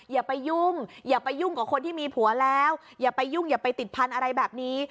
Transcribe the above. อย่าไปยุ่งอย่าไปยุ่งกับคนที่มีผัวแล้วอย่าไปยุ่งอย่าไปติดพันธุ์อะไรแบบนี้